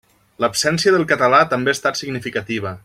L'absència del català també ha estat significativa.